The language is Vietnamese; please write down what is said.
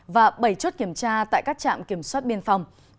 và bảy chốt kiểm tra tại các trạm kiểm soát biên phòng